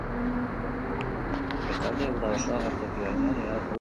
Bestalde, uda osoa agertoki gainean igaroko du taldeak.